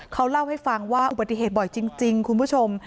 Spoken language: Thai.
เขาเล่าให้ฟังว่าอุบัติเหตุบ่อยจริงคุณผู้ชม